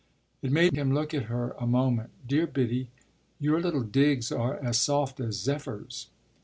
It made him look at her a moment. "Dear Biddy, your little digs are as soft as zephyrs."